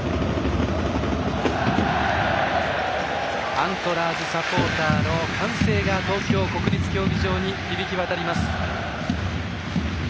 アントラーズサポーターの歓声が東京・国立競技場に響き渡ります。